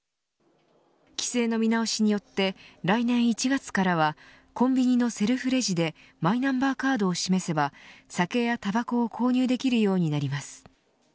規制の見直しによって来年１月からはコンビニのセルフレジでマイナンバーカードを示せば酒やたばこを購入できるようになります。